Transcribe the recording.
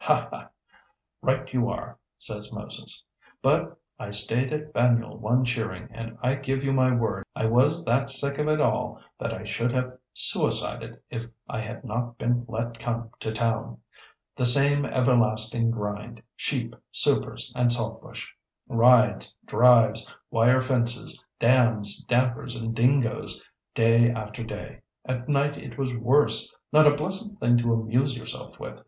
Ha, ha! 'Right you are, says Moses.' But I stayed at Banyule one shearing, and I give you my word I was that sick of it all that I should have suicided if I had not been let come to town. The same everlasting grind—sheep, supers, and saltbush; rides, drives, wire fences, dams, dampers, and dingoes—day after day. At night it was worse—not a blessed thing to amuse yourself with.